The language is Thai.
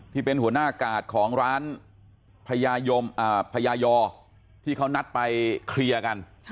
ที่เป็นหัวหน้ากาดของร้านพญายอที่เขานัดไปเคลียร์กัน